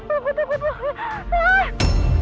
aku takut banget